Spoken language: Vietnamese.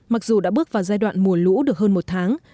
mặc dù đã bước vào giai đoạn mùa lũ được hơn một tháng